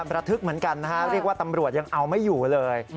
ระทึกเหมือนกันนะฮะเรียกว่าตำรวจยังเอาไม่อยู่เลย